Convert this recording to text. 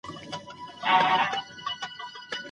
ډاکټره صیب، مهرباني وکړئ اوږده پاڼه ړنګه کړئ.